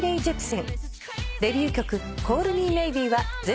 ［デビュー曲］